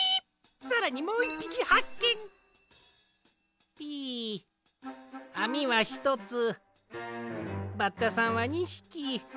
さらにもう１ぴきはっけん！ピイあみはひとつバッタさんは２ひき。